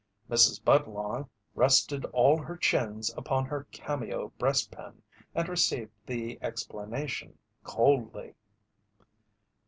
Mrs. Budlong rested all her chins upon her cameo breastpin and received the explanation coldly.